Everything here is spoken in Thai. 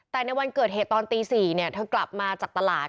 แต่ในวันเกิดเหตุตอนตี๔เธอกลับมาจากตลาด